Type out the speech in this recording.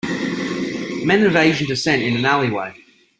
Men of asian descent in an alleyway.